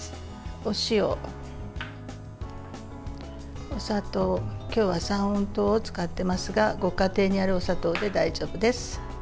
お塩、お砂糖今日は三温糖を使ってますがご家庭にあるお砂糖で大丈夫です。